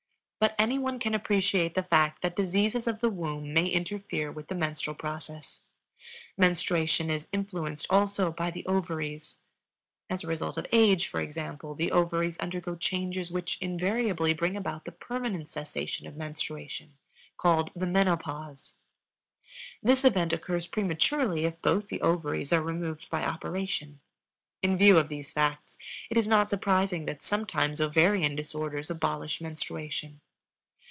But any one can appreciate the fact that diseases of the womb may interfere with the menstrual process. Menstruation is influenced, also, by the ovaries. As a result of age, for example, the ovaries undergo changes which invariably bring about the permanent cessation of menstruation, called the menopause. This event occurs prematurely if both the ovaries are removed by operation. In view of these facts it is not surprising that sometimes ovarian disorders abolish menstruation.